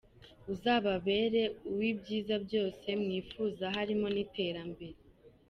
Uzababere uw’ibyiza byose mwifuza harimo n’iterambere.